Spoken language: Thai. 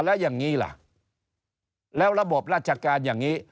แล้วอย่างนี้ล่ะแล้วระบบราชการอย่างนี้